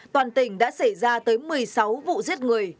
toàn tỉnh đã xảy ra tới một mươi sáu vụ giết người